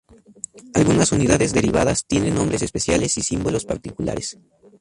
Algunas unidades derivadas tienen nombres especiales y símbolos particulares.